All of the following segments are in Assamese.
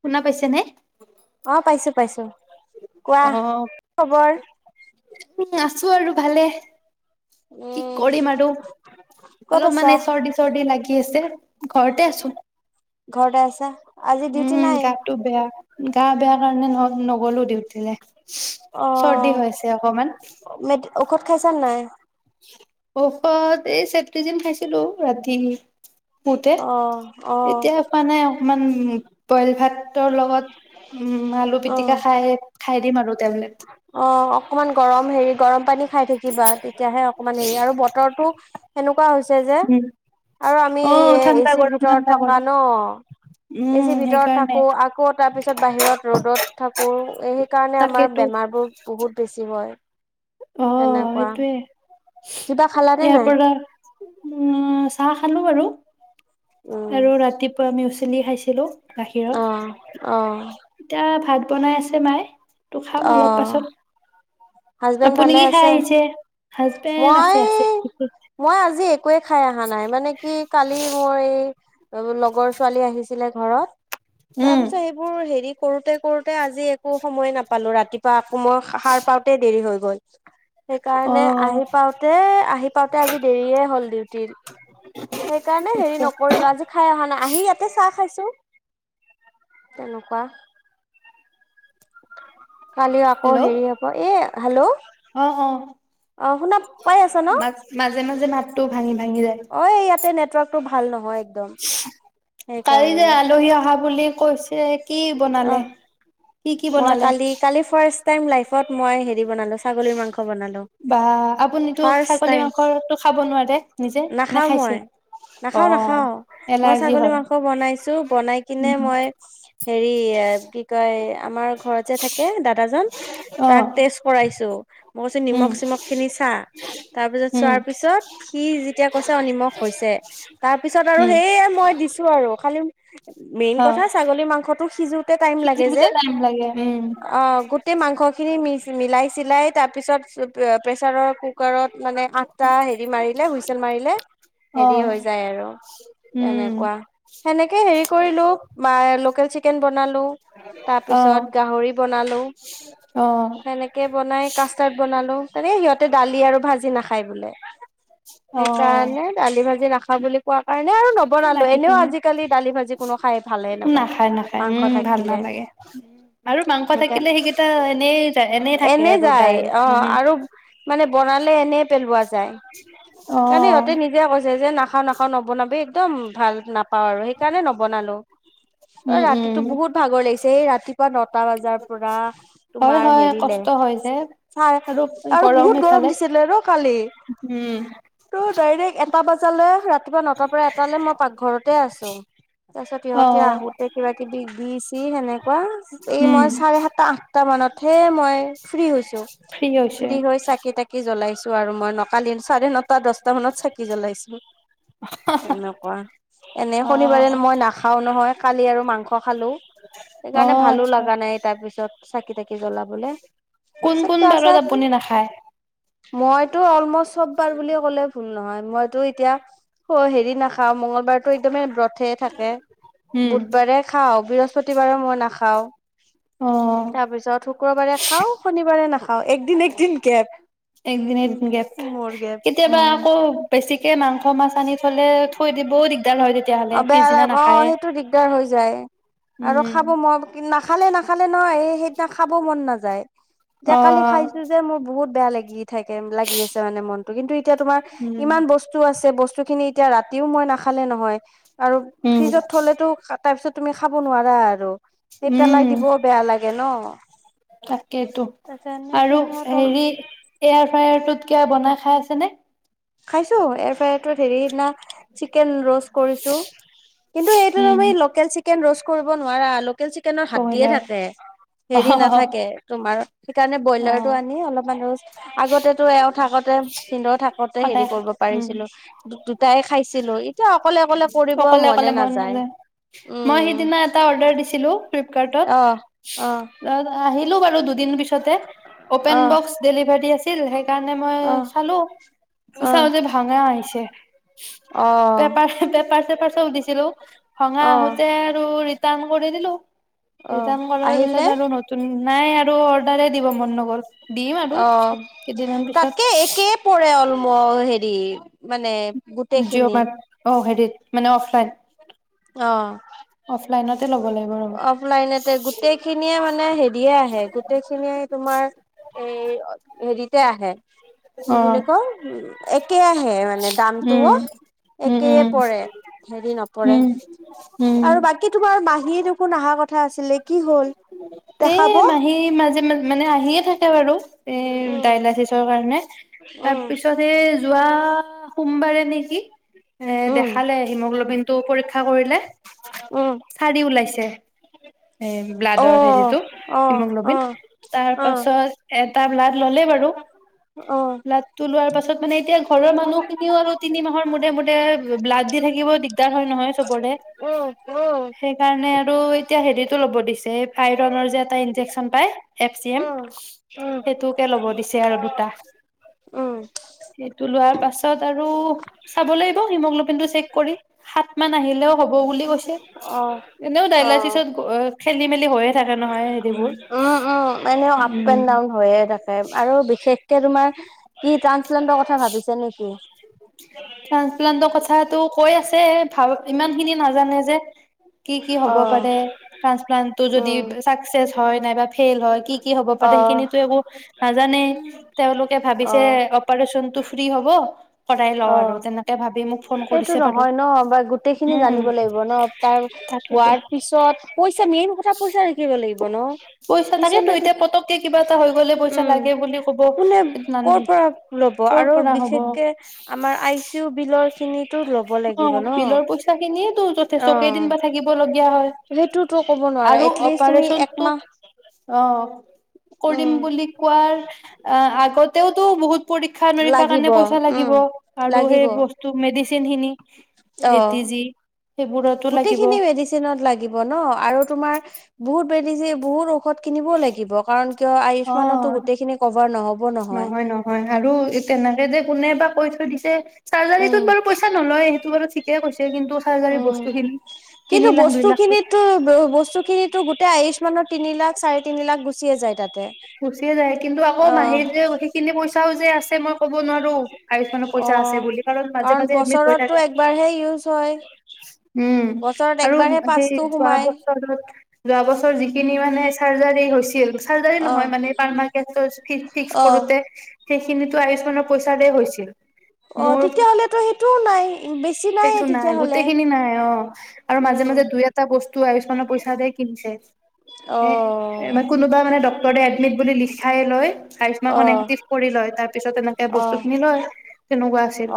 শুনা পাইছে নে? অ পাইছো পাইছো। কোৱা কি খবৰ। আছো আৰু ভালে। কি উম কৰিম আৰু ক'ত অলপ আছা মানে চৰ্দি চৰ্দি লাগি আছে ঘৰতে আছো ঘৰতে আছা আজি ডিউটি উম নাই গাটো বেয়া গা বেয়া কাৰণে নহ। নগ'লো ডিউটি লে অ চৰ্দি হৈছে অকমান কত খাইছা নাই। ঔষড এই চত্ৰি দিন খাইছিলো ৰাতি। তে অ অ এতিয়া মানে অকমান বইল ভাত ৰ লগত উম আলু অ পিটিকা খাই। দিম আৰু টেবলেট। অ অকমান গৰম হেৰি গৰম পানী। খাই থাকিবা তেতিয়াহে অকমান হেৰি আৰু বতৰটো এ কোৱা হৈছে যে উম, আৰু আমি অ', ঠাণ্ডা এচিৰ গৰম ভিতৰত ঠাণ্ডা থকা গৰম ন। এ উম, যে ভিতৰত সেইকাৰণে থাকো আকৌ তাৰপিছত বাহিৰত ৰ'দত থাকো এই। কাৰণে আমাৰ তাকেতো বেমাৰ বোৰ বহুত বেছি হয়। অ সেনেকুৱা সেইটোয়ে কিবা খালানে ইয়াৰ নাই পৰা উম চাহ খালো। আছো এনেই। উম আৰু ৰাতিপুৱা আমি। চিনি খাইছিলোঁ। গাখীৰত অ', অ', এতিয়া ভাত। বনাই আছে মায়ে। তটো খাম অলপ অ', পাছত হাজবেণ্ড আপুনি ভালে কি খাই আছে আহিছে হাজবেণ্ড মই আছে আছে মই আজি একোৱে খাই অহা নাই মানে কি কালি মই লগৰ ছোৱালী আহিছে। আহিলে ঘৰত উম তাৰপিছত সেইবোৰ হেৰি কৰোঁতে কৰোঁতে আজি একো সময়ে নাপ। পালোঁ ৰাতিপুৱা। কোমই সাৰ পাৰ। হৈ গ'ল। অ সেইকাৰণে আহি পাওঁতে আহি পাওঁতে আজি দেৰিয়ে হ'ল ডিউটিত সেইকাৰণে হেৰি নকৰিলো আজি খাই অহা নাই আহি ইয়াতে চাহ খাইছো। তেনেকুৱা। কালি আকৌ হেল্ল' হেৰি হব এ। হেল্ল' অ অ। অ শুনা পাই আছা ন। মাজ মাজে মাজে মাতটো ভাঙি ভা। অ ইয়াতে নে। নেটৱৰ্ক টো ভাল নহয়। একদম সোচচ কালি যে সেইকাৰণে আলহী অহা বুলি। কৈছে। কি অ বনালে কি কি মই বনালে কালি সোচ। টাইম লাইফত মই সেইদিনা। দি বনালো ছাগলী মাংস বনালো বা আপুনিতো ফাৰ্ষ্ট ছাগলী টাইম মাংসটো খাব নোৱাৰে নিজে নে নাখাও খাইছে মই অ নাখাও নাখাও মই এলাৰ্জি ছাগলী হয় মাংস বনাইছো বনাই কিনে উম মই। হেৰি কি কয় আমাৰ ঘৰত যে থাকে দাদাজন অ তাক টেষ্ট কৰাইছো মই কৈছো উম নিমখ চিমখ খিনি চা তাৰপিছত উম চোৱাৰ পিছত সি যেতিয়া কৈছে অ নিমখ হৈছে তাৰ পিছত আৰু উম সেই মই দিছো আৰু খালি। মেইন অ কথা ছাগলী মাংস। সিজোতে টাইম লাগে যে সিজিবতে টাইম লাগে উম আহ গোটেই মাংস। মাংসখিনি মি মিলাই চিলাই তাৰপিছত প্ৰেছাৰৰ কুকাৰত। মানে আঠটা হেৰি মাৰিলে হুইচেল মাৰিলে অ হেৰি হৈ যায় আৰু উম তেনেকুৱা সেনেকে হেৰি। কৰিলো বা লোকেল চিকেন। বনালো অ তাৰপিছত গাহৰি বনালো অ সেনেকে বনাই কাষ্টাৰ্ড বনালোঁ। তেনে সিহঁতে দালি আৰু ভাজি নাখায় বোলে। অ সেইকাৰণে দালি ভাজি ৰাখ। পাগলি। কোৱা কাৰণে আৰু নবনালো বাকী এনেও খিনি আজিকালি দালি ভাজি কোনো খাই ভালে নাপায়। নাখায় নাখায় উম মাংস ভাল থাকিলে নালাগে আৰু মাংস থাকিলে সেইকাৰণে সেইকেইটা এনে এনে থাকে আৰু দাইৰ উ। নাখানালে এনে পেলোৱা। যায় অ কাৰণে সিহঁতে নিজে কৈছে যে নাখাওঁ নাখা। নবনাবি একদম ভাল নাপ পা আৰু সেইকাৰণে নবনালো, উম ৰাতি উম ত বহুত ভাগৰ লাগিছে এই ৰাতিপুৱা নটা বজাৰ পৰা হয় তোমাৰ হয় হেৰিলে কষ্ট হয় যে চাই আৰু বহুত গৰম দিছিলে ন কালি উম ত ডাইৰেক্ত এটা বজালৈ ৰাতি ৰাতিপুৱা নটাৰ পৰা এটালে মই পাকঘৰতে আছো, তাৰপিছত অ সিহঁতি আহোতে কিবা কিবি দি চি সেনেকুৱা এই উম মই চাৰে সাতটা আঠটা মানত হে মই ফ্ৰী হৈছো ফ্ৰী হৈ চাকি তাকি জ্বলাইছো। আৰু মই নকালি চাৰে ন তা দচটা মানত চাকি জ্বলাইছো এনেকুৱা, এনে অ শনিবাৰে মই নাখাও নহয় কালি আৰু মাংস অ সেইকাৰণে ভালো আচ্ছা লগা নাই তাৰপিছত চাকি তাকি জ্বলাবলে কোন তাৰিছত কোন আছা বাৰত তুমি? আপুনি নাখায় মইতো অলমষ্ট চবাৰ বুলি ক'লে ভুল নহয়। মইতো এতিয়া হেৰি নাখাও মংগলবাৰতো একদমেই ব্ৰত থাকে উম। বুধবাৰে বৃহস্পতিবাৰ মই না খাওঁ। অ তাৰ পিছত শুক্ৰবাৰে খাও শনিবাৰে নাখা অ একদিন একদিন গেপ। একদি একদিন গেপ মোৰ গেপ কেতিয়াবা উম আকৌ বেছিকে মাংস মাছ আনি থলে থৈ দিব দিগদাৰ হয় তেতিয়াহলে অ বেয়া পিছদিনা লাগ অ নাখায়। সেইটো দিগদাৰ হৈ যায়। আৰু খাব মন নাখালে নাখালে নহয় সেইদিনা খাব মন নাযায় এতিয়া অ কালি খাইছো যে মোৰ বহুত বেয়া লাগি থাকে লাগি আছে মানে মনতটো কিন্তু এতিয়া তোমাৰ উম। ইমান বস্তু আছে বচ বস্তু খিনি এতিয়া ৰাতিও মই নাখালে নহয়। আৰু উম ফ্ৰিজত থলেতো তাৰপিছত তুমি খাব নোৱাৰা আৰু। সেই পেলাই উম দিবও বেয়া লাগে ন তাকেইেতো তাৰপিছত এনেকে আৰু মই তল হেৰি এয়াৰ ফ্ৰায়াৰটোত কিব বনাই খাই চানে? খাইছো এয়াৰ ফ্ৰায়াৰটোত হেৰি সেইদিনা চিকেন ৰস্ত কৰিছো, কিন্তু এইটো উম লোকেল চিকেন চিকেন ৰোষ্ট কৰিব নোৱাৰা আলোক লোকেল চিকেনৰ হাত দিয়ে ব্ৰইলাৰ থাকে অ হেৰি নাথাকে তোমাৰ সেইকাৰণে অ ব্ৰইলাৰটো আনি অলপ মান ৰোষ্ট আগতেতো এওঁ থাকোতে পিন্ব থাকতে। হেৰি সদায় কৰিব উম পাৰিছিলো দুটাই খাইছিলো এতিয়া অকলে অকলে কৰিব অকলে মনে অকলে মন নাযায় উম। ছিলো। ফ্লিপকাৰ্টতত অহ অহ অ আহি। সেই টো বাৰু দুদিন পিছতে অপেন অহ বকছ ডেলিভাৰি। আছিল সেই। সেই কাৰণে মই অহ চালো অহ চাও যে ভঙা আহিছে অহ পেপাৰ পেপাৰ চেপাৰ চব দিছিলো ভঙা অহ আহোতে আৰু। দাম কৰি দিলো। অহ ৰিটাৰ্ণ কৰাৰ আহিল নে পিছত আৰু নতুন। নাই আৰু অৰ্ডাৰে দিব মন নগল। দিম আৰু অ পিছত। কেইদিনমান পিছত তাতকে একে পৰে অলপ হেৰি। মানে। জিঅ' গোটেইখিনি মাত অ হেৰি। মানে অফলাইন। অ অফলাইনতে ল'ব লাগিব ৰ'ব অফলাইনতে গোটেইখিনিয়ে মানে হেৰিয়ে আহে গোটেইখিনিয়ে তোমাৰ এই। হেৰিতে আহে। কি অ বুলি কয় উম একে আহে মানে উম দামটোও উম একেই উম পৰে হেৰি নপৰে। উম আৰু বাকী তোমাৰ মাহীয়ে দেখোন অহাৰ কথা। আছিলে কি হ'ল হে দেখাব মাহী মাজে মাজে। মানে আহিয়ে থাকে। বাৰু এই উম ডায়নাইটিছৰ কাৰণে উম তাৰপিছত এই। যোৱা সোমবাৰে নেকি। এ উম দেখালে হিমোগ্ল'বিন। তো পৰীক্ষা কৰিলে। উম চাৰি ওলাইছে? অ ব্লাদৰ হেৰীটো অ অ হিমগ্লবিন, তাৰ অ পাছত এ। এটা ব্লাড। ল'লে বাৰু অ ব্লাডটো লোৱাৰ পাছত। মানে এতিয়া। ঘৰৰ মানুহ খিনিও আৰু তিনি মাহৰ মূৰে মূৰে ব্লাড দি থাকিব দিগদাৰ হয় নহয় চবৰে উম উম উম সেইকাৰণে আৰু এতিয়া হেৰিত। টো লব দিছে ফাইলনৰ যে এটা মেডিচিন পায় এফ্চিয়েম উম সেইতোকে লব দিছে আৰু দুটা, উম সেইটো লোৱাৰ পিছত আৰু চাব লাগিব হীমগ্লবিনটো ছেক কৰি সাত কিমান আহিলেও হ'ব বুলি কৈছে এনেও অ অ ডাইলাচিছত উম উম এনেও আপ উম এণ্ড ডাউন হৈয়ে থাকে আৰু বিশেষ এতিয়া তোমাৰ কি টান ইলেণ্ডৰ কথা ভাবিছে নেকি? ট্ৰানসপ্লান্তৰ কথাাতটো কৈ আছে চে থাওক ইমান খিনি নাজানে যে কি কি হব অ' পাৰে ট্ৰানসপ্ল টো যদি উম চাকচেচ হয় নাইবা ফেইল হয় কি কি হ'ব পাৰে অ' সেইখিনিতো একো নাজানেই তেওঁলোকে ভাবিছে অ' অপাৰেচনটো ফ্ৰী হ'ব কৰাই অ লওঁ আৰু তেনেকে ভাবি মোক ফোন সেইটো কৰিছে বাৰু নহয় ন বা গোটেইখিনি উম জানিব লাগিব ন তাৰ তাকেতো হোৱাৰ পিছত কৈ মেইন কথা পইচা থাকিব লাগিব ন পইচা তাকেতো পিছলৈক এতিয়া পতককে কিবা এটা হৈ গ'লে পইচা উম লাগে বুলি ক'ব কোনে কৰ পৰা লব ক'ৰ আৰু পৰা হ'ব বিশেষকে আমাৰ আই চি ইউ বিলত অ বিলৰ পইচা খিনিয়ে ত যথেষ্ট অ' কেইদিন বা থাকিব লগগীয়া হয় সেইটোতো ক'ব নোৱাৰা আৰু এটলিষ্ট তুমি অপাৰেচনটো একমাহ অঁ কৰিম উম বুলি কোৱাৰ আগতেও টো বহুত পৰীক্ষা - নিৰীক্ষাৰ লাগিব কাৰণে পইচা উম লাগিব, আৰু লাগিব সেই বস্তু মেডিচিন ধিনী অ এতি যি গোটেইখিনি মেডিচিনত লাগিব ন আৰু তোমাৰ বহুত [unintelligible] ঔষধ কিনিবও লাগিব কাৰণ কিয় আয়ুষ্মানটো অ গোটেইখিনি কভাৰ ন'হব নহয়। নহয় আৰু তেনেকে যে কোনে বা কৈ থৈ দিছে। চাৰ্জাৰীটোত উম বাৰু পইচা নলয় সেইটো বাৰু ঠিকেই কৈছে কিন্তু চাৰ্জাৰী উম বস্তুখিনি কিন্তু তিনি লাখ দুই লাখ তো গোটেই আয়ু্ষ্মানৰ তিনি লাখ, চাৰে তিনি লাখ গুচিয়ে যায়। তাতে গুচিয়ে যায় কিন্তু আকৌ অ মাহে যে সেইখিনি পই তেওঁ যে আছে মই ক'বা নৰো গাড়ীখনৰ অ পইচা আছে বুলি কাৰণ মাজে মাজে এডমিট হৈ বছৰতটো থাকে একবাৰহে ইউজ হয় উ বছৰত আৰু একবাৰহে পাঁচটো যোৱা সোমাই বছৰ যিখিনি মানে যিখিনি চাৰ্জাৰী হৈছিল, চাৰ্জাৰী অ নহয় মানে এইবাৰ আমাৰ কেচটো ফি ফিক্স অ কৰোতে সেইখিনিতো আয়ু্ষ্মানৰ পইচাৰে হৈছিল। অ' মোৰ তেতিয়া হ'লেতো সেইটোও নাই, বেছি নাইয়ে সেইটো নাই তেতিয়াহ'লে গোটেই খিনি নাই অ' আৰু মাজে - মাজে উম দুই, এটা বস্তু আয়ু্ষ্মানৰ পইচাৰে কিনিছে, এ অ', কোনোবা মানে ডক্টৰে আহ এডমিট বুলি লিখ লিখি লয়, আয়ুষ্মানখনে সিহঁতে অ', এক্টিভ কৰি লয়। তাৰ পিছত এনেকে বস্তু অ', খিনি লয়, তেনেকুৱা আছিল,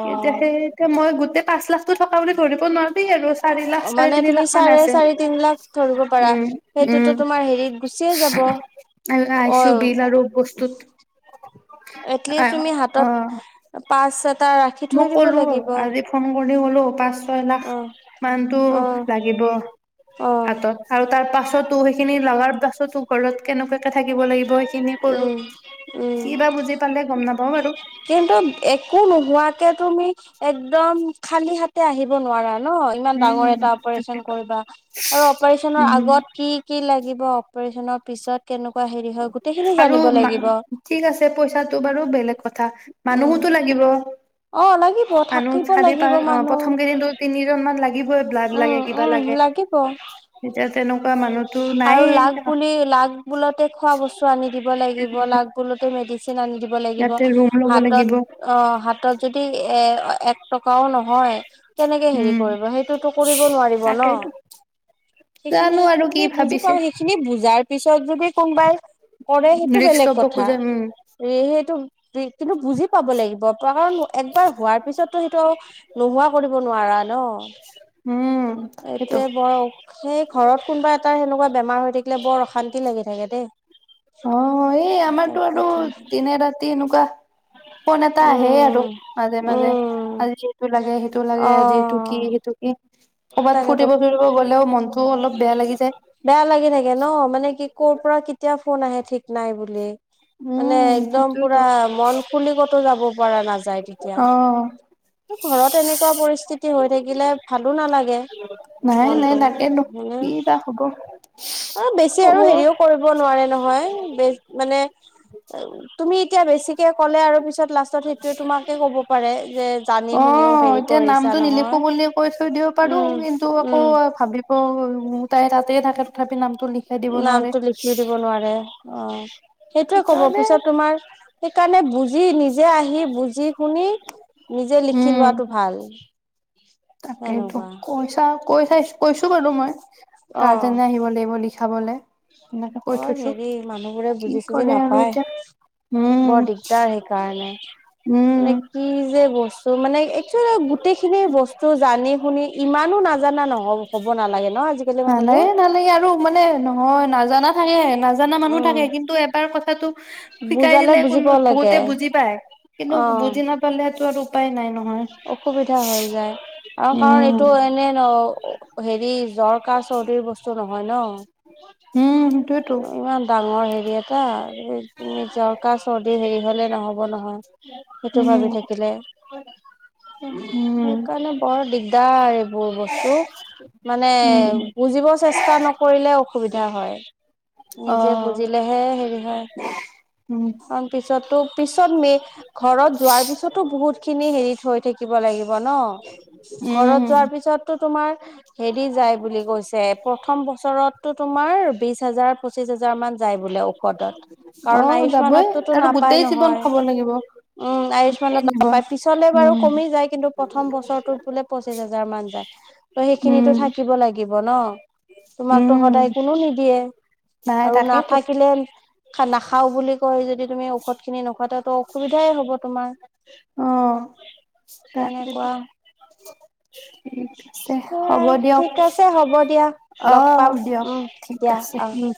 তেতিয়া সেই মই গোটেই পাঁচ লাখটো টকা বুলি ধৰিব নৰবি আৰু। চাৰি লাখ চাৰে মানে তিনি তুমি লাখ মান চাৰে আছে চাৰি, তিন লাখ ধৰিব পাৰা। উম সেইটোতো উম তোমাৰ হেৰিত গুচিয়ে যাব আইচো অ' বিল আৰু বস্তুত এটলিষ্ট তুমি অ হাতত হা পাঁচ মই ক'লো, আজি ফোন কৰি হেল্ল', -হেল্ল', পাঁচ দহ লাখ অ', মানতটো অ', লাগিব অ', হাতত আৰু তাৰ পাছত তো সেইখিনি লগাৰ পাছতো ঘৰত কেনেকা তই থাকিব লাগিব সেইখিনি ক'লো উম, কি উম। বা বুজি পালে গম নাপাওঁ বাৰু এতিয়া তুমি একদম খালি হাতে আহিব নোৱাৰা। অ' ইমান ডাঙৰ উম এটা অপাৰেচন তাকেতো কৰিবা আৰু অপাৰেচনৰ উম আগত কি কি লাগিব অপাৰেচনৰ পিছত কেনেক আৰু ঠিক আছে পইচাটো বাৰু বেলেগ কথা উম মানুহোতো লাগিব। অ' লাগিব, মানুহ থাকিব চাৰি লাগিব পাঁচ অ মানুহ। প্ৰথম কেইদিনতো তিনিজন মান লাগিবই। ব্লাড লাগে কিবা উম-উম লাগে লাগিব এতিয়া তেনেকুৱা মানুহতো আৰু নাইয়ে লাগ বুলি লাগ বুলতে খোৱা বস্তু সেইটো আনি দিব লাগিব লাগ বোলোতে মেডিচিন আনি দিব লাগিব। ইয়াতে ৰুম ল'ব হাতত লাগিব অ' হাতত যদি এ এক টকাও নহয়। কেনেকে হেৰি উম কৰিব সেইটো কৰিব নোৱাৰিব ন, ' তাকেইতো সেইখিনি, জানো আৰু কি সেইখিনি বুজি ভাবিছে পাওঁ সেইখিনি বুজাটো তাৰ পিছ তাইক যদি কোনোবাই কৰে সেইটো ৰিক্স বেলেগ ল'ব কথা খোজে উম সে সেইটো সেইটোৱে, তুমি বুজি পাব লাগিব। কাৰণ একবাৰ হোৱাৰ পিছতটো সেইটো আৰু নোহোৱা কৰিব নোৱাৰা ন। উম সেইটো এইটোয়ে বৰ, সেই ঘৰত কোনোবা এটা সেনেকোৱা বেমাৰ হৈ থাকিলে বৰ অশান্তি লাগি থাকে দেই। অ এই আমাৰতো আৰু তাকেতো দিনে ৰাতি এনেকুৱা ফোন এটা আহে উম আৰু মাজে মাজে, উম আজি এইটো লাগে সেইটো অ লাগে আজি এইটো কি সেইটো কি? ক'ৰবাত তাকেতো ফুৰিব চুৰিব গ'লেও মনটো অলপ বেয়া লাগি যায়। বেয়া লাগি থাকে ন, মানে কি কৰ' পৰা কেতিয়া? ফোন আহে ঠিক নাই বুলি। মানে উম, একদম সেইটোৱেতো পুৰা মন খুলি কতো যাব পৰা নাযায় তেতিয়া, অ', ঘৰত এনেকুৱা পৰিস্থিতি হৈ থাকিলে ভাল নালাগে নাই নাই মনটো, তাকেতো ম কি বা হ'ব অ বেছি হ'ব আৰু হেৰিও কৰিব নোৱাৰে নহয় বে মানে তুমি এতিয়া বেছিকে ক'লে আৰু পিছত লাষ্টত সেইটোয়ে তোমাকে ক'ব পাৰে, যে জানি শুনিও অ', হেৰি কৰিছা নহয়। পাৰোঁ, উম কিন্তু আকৌ উম ভাবিব উম, তাই তাতে থাকে তথাপি নাম নামটো লিখি দিব নোৱাৰে, অ সু [unintelligible] সেইটোয়ে ক'ব সেইকাৰণে পিছত, তোমাৰ সেইকাৰণে বুজ যি নিজি [unintelligible] নিজে আহি বুজি, শুনি নিজে লিখি উম। লোৱাটো ভাল। তাকেইতো, সেনেকুৱা কৈছা কৈ চাইছো, কৈছো বাৰু মই অ গাৰ্জেনে আহিব লাগিব, লিখ লিখাবলে। এনেকে কৈ বৰ থৈছো হেৰি, মানুহবোৰে কি বুজি-চুজি কৰে আৰু নাপায়, এতিয়া বৰ উম দিগদাৰ সেইকাৰণে, উম মানে কি যে বস্তু মানে, একেচলি গোটেই খিনি বস্তু জানি-শুনি ইমানো নাজানা নহয় নালাগে-নালাগে আৰু মানে হয়, নাজানা থাকে, নাজানা মানুহ উম থাকে কিন্তু এবাৰ কথাটো শিকাই বুজালে দিলে বুজি কোনো পাব বহুতে লাগে বুজি পায়, কিন্তু অ বুজি নাপালেটো আৰু উপায় নাই ন অসুবিধা হৈ যায় আৰু কাৰণ উম এইটো এনে ন হেৰি জ্বৰ, কাহ, চৰ্দিৰ বস্তু নহয় ন উম, সেইটোৱেটো সি এটা জৰ, কাহ, চৰ্দি সেই হ'লে, নহ'ব নহয় সেইটো ভাবি উম থাকিলে হয় উম, সেইকাৰণে বৰ দিগদাৰ তাৰ [unintelligible] বোৰ বস্তু, মানে উম বুজিব চেষ্টা নকৰিলে অ' সুবিধা হয়। অ নিজে বুজিলেহে হেৰি হয়, উম তাৰ পিছতো, পিছত মে, ঘৰত যোৱাৰ পিছতো বহুত খিনি হেৰি থাকিব লাগে। ‌ ন? ঘৰত উম যোৱাৰ পিছতটো, তোমাৰ হেৰি যায় বুলি কৈছে, প্ৰথম বছৰত টো, তোমাৰ বিশ হাজাৰ পঁচিশ হাজাৰ মান যায় বোলে, ঔষধত অ কাৰণ আউচ যাবই মানত ত'তো আৰু নাপায় গোটেই জীৱন নহয়। খাব লাগিব উম! আউচ গোটেই মানত জীৱন নেপাই পিছলৈ বাৰু উম কমি যায়, কিন্তু, প্ৰথম বছৰটোত বোলে পঁচিশ হাজাৰ মান যায়। ত' সেইখিনিতো উম থাকিব লাগিব ন। [inaudible] তোমাকতো উম সদায় কোনো নিদিয়ে, নাই আৰু তাকেইতো নাথাকিলেও নাখাও বুলি কয় যদি তুমি ঔষধ খিনি নোখোৱা, তো অসুবিধাই হ'ব তোমাৰ। অ তাকেইতো তেনেকুৱা ঠিক আছে হ'ব দিয়ক ঠিক আছে, হ'ব দিয়া, অ লগ পাম, দিয়ক উম ঠিক দিয়া আছে আহ। উম